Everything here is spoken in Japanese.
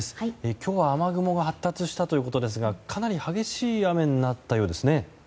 今日は雨雲が発達したということですがかなり激しい雨になったようですね。